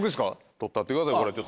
取ったってくださいこれ。